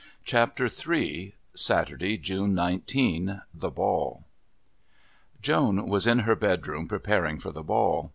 Chapter III Saturday, June 19: The Ball Joan was in her hedroom preparing for the Ball.